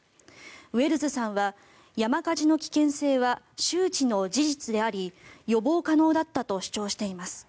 ウェルズさんは山火事の危険性は周知の事実であり予防可能だったと主張しています。